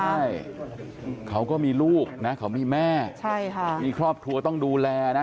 ใช่เขาก็มีลูกนะเขามีแม่ใช่ค่ะมีครอบครัวต้องดูแลนะ